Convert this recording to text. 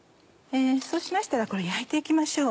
そうしましたらこれ焼いて行きましょう。